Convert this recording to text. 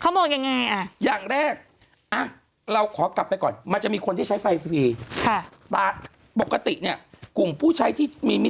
เขาเตรียมอะไรไว้เขารู้ไหม